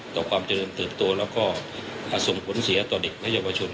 ต่อความเจริญเติบโตแล้วก็ส่งผลเสียต่อเด็กและเยาวชน